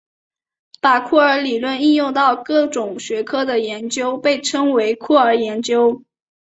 把酷儿理论应用到各种学科的研究被称为酷儿研究。